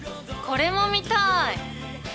これも見たい。